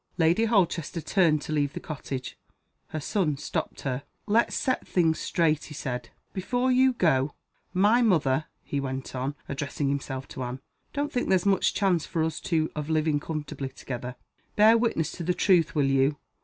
Lady Holchester turned to leave the cottage. Her son stopped her. "Let's set things straight," he said, "before you go. My mother," he went on, addressing himself to Anne, "don't think there's much chance for us two of living comfortably together. Bear witness to the truth will you?